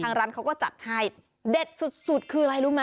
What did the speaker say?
ทางร้านเขาก็จัดให้เด็ดสุดคืออะไรรู้ไหม